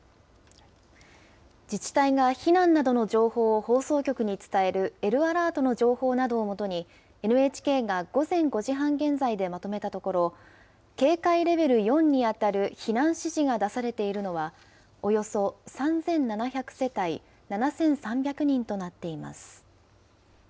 自治体が避難などの情報を放送局に伝えるＬアラートの情報などを基に、ＮＨＫが午前５時半現在でまとめたところ、警戒レベル４に当たる避難指示が出されているのは、およそ３７００世帯７３００人となっています。